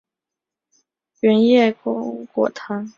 圆叶弓果藤是夹竹桃科弓果藤属的植物。